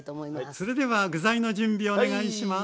それでは具材の準備お願いします。